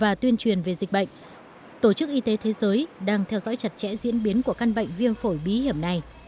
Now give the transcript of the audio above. và tuyên truyền về dịch bệnh tổ chức y tế thế giới đang theo dõi chặt chẽ diễn biến của căn bệnh viêm phổi bí hiểm này